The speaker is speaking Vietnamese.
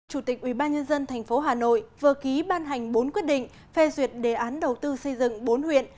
chủ tịch ubnd tp hà nội vừa ký ban hành bốn quyết định phê duyệt đề án đầu tư xây dựng bốn huyện